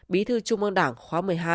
bí thư trung ương đảng khóa một mươi hai